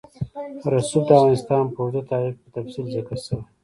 رسوب د افغانستان په اوږده تاریخ کې په تفصیل ذکر شوی.